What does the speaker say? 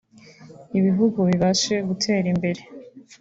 ibihugu bibashe gutera imbere